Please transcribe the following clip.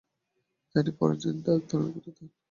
জানি, পরনিন্দা একধরনের বিনোদন।